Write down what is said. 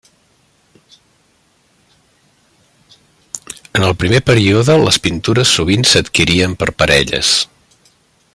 En el primer període les pintures sovint s'adquirien per parelles.